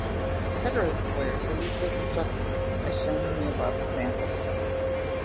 Heterosquares are easily constructed, as shown in the above examples.